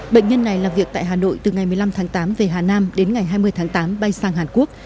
bệnh nhân này làm việc tại hà nội từ ngày một mươi năm tháng tám về hà nam đến ngày hai mươi tháng tám bay sang hàn quốc